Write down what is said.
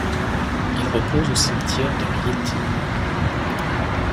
Il repose au cimetière de Rieti.